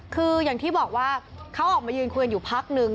คืออย่างที่บอกว่าเขาออกมายืนคุยกันอยู่พักนึง